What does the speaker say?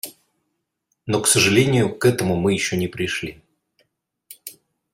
Но, к сожалению, к этому мы еще не пришли.